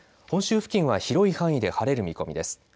本州付近は広い範囲で晴れる見込みです。